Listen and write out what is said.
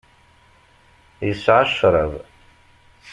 Yesɛa ccṛab.